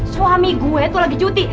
suami gue itu lagi cuti